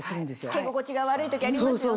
着け心地が悪い時ありますよね。